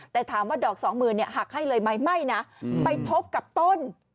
แต่ถามว่าดอกสองหมื่นหักให้เลยไหมไม่นะไปพบกับต้น